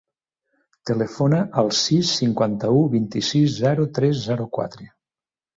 Telefona al sis, cinquanta-u, vint-i-sis, zero, tres, zero, quatre.